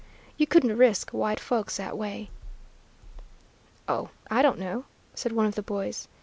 You couldn't risk white folks that way." "Oh, I don't know," said one of the boys.